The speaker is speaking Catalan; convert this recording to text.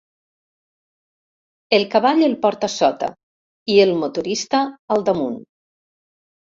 El cavall el porta sota i el motorista al damunt.